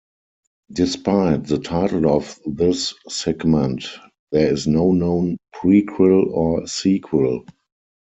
Despite the title of this segment, there is no known prequel or sequel.